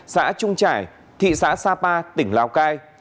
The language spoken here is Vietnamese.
xã trung trải thị xã sapa tỉnh lào cai